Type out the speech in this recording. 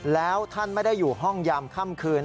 แล้วท่านไม่ได้อยู่ห้องยามค่ำคืน